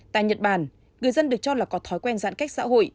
tại nhật bản người dân được cho là có thói quen giãn cách xã hội